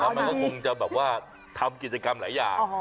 มันก็คงจะแบบว่าทำกิจกรรมหลายอย่าง